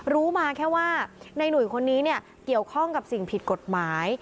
รู้มาแค่ว่าในหนุ่ยคนนี้เนี่ยเกี่ยวข้องกับสิ่งผิดกฎหมาย